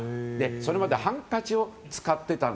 それまではハンカチを使っていた。